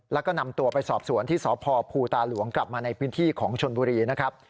แล้วก็นำตัวไปสอบสวนที่สพภูตาหลวงกลับมาในพื้นที่ของชนบุรีนะครับ